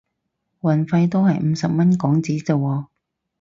運費都係五十蚊港紙咋喎